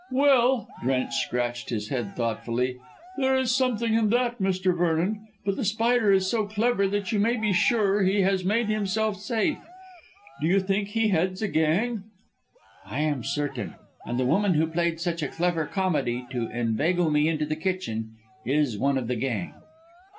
"Well" Drench scratched his head thoughtfully "there is something in that, Mr. Vernon. But The Spider is so clever that you may be sure he has made himself safe. You think he heads a gang?" "I am certain, and the woman who played such a clever comedy to inveigle me into the kitchen is one of the gang."